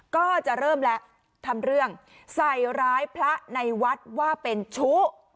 ก็จะเริ่มแล้วทำเรื่องใส่ร้ายพระในวัดว่าเป็นชู้